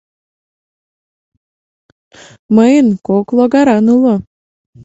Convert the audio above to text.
— Мыйын кок логаран уло.